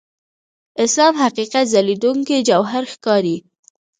اسلام حقیقت ځلېدونکي جوهر ښکاري.